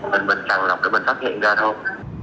mình bình chẳng lọc để mình phát hiện ra thôi